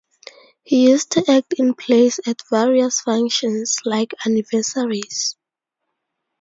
He used to act in plays at various functions like anniversaries.